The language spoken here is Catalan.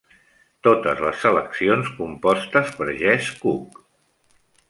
Totes les seleccions compostes per Jesse Cook.